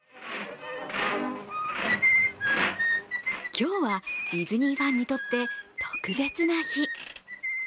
今日は、ディズニーファンにとって特別な日。